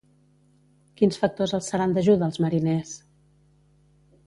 Quins factors els seran d'ajuda als mariners?